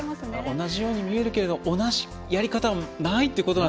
同じように見えるけれども同じやり方はないという。